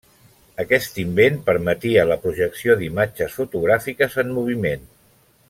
Aquest invent permetia la projecció d'imatges fotogràfiques en moviment.